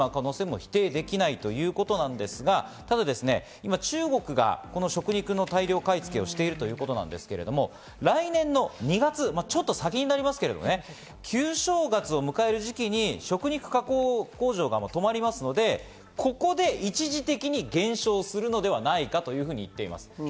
今、中国がこの食肉の大量買い付けをしているということなんですけど、来年の２月、ちょっと先になりますけど、旧正月を迎える時期に食肉加工工場は止まりますのでここで一時的に減少するのではないかというふうに言っています。